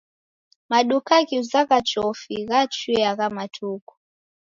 Maduka ghiuzagha chofi ghachuye agha matuku.